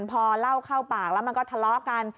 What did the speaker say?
พอเล่าเข้าปากแล้วมันก็ทะเลาะกัน